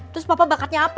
terus papa bakatnya apa